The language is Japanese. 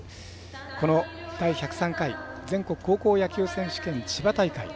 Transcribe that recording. この第１０３回全国高校野球選手権千葉大会